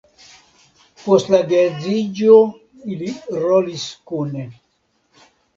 Post la geedziĝo ili rolis kune.